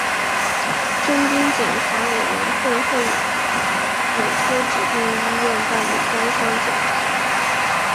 征兵检查委员会会委托指定医院办理该项检查。